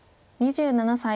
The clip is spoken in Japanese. ２７歳。